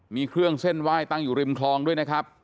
มีเครื่องเส้นไหว้ตั้งอยู่ริมคลองด้วยนะครับ